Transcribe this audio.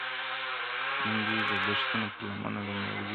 نن دي د دښتونو پر لمنه رمې ولیدې-